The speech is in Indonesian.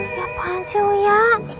ya apaan sih uya